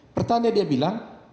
pertanda dia bilang